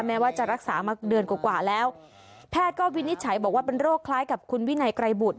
แม้ว่าจะรักษามาเดือนกว่าแล้วแพทย์ก็วินิจฉัยบอกว่าเป็นโรคคล้ายกับคุณวินัยไกรบุตร